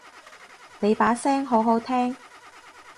你把聲好好聽